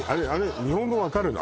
日本語分かるの？